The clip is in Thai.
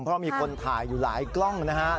เพราะมีคนถ่ายอยู่หลายกล้องนะฮะ